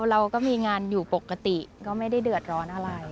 เราก็มีงานอยู่ปกติก็ไม่ได้เดือดร้อนอะไร